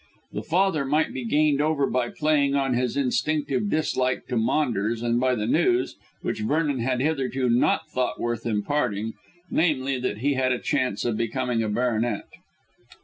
The father might be gained over by playing on his instinctive dislike to Maunders and by the news, which Vernon had hitherto not thought worth imparting, namely, that he had a chance of becoming a baronet.